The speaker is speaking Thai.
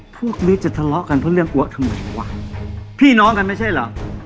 พวกนี้จะทะเลาะกันเพราะเรื่องอัวทำไมวะพี่น้องกันไม่ใช่เหรอ